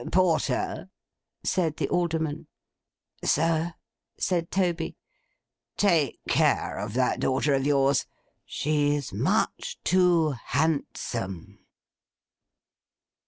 'Porter!' said the Alderman. 'Sir!' said Toby. 'Take care of that daughter of yours. She's much too handsome.